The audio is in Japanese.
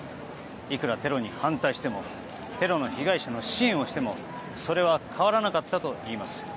いくらテロに反対してもテロの被害者の支援をしてもそれは変わらなかったといいます。